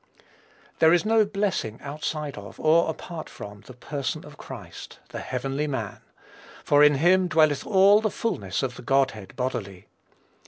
There is no blessing outside of, or apart from, the PERSON OF CHRIST THE HEAVENLY MAN; "for in him dwelleth all the fulness of the Godhead bodily."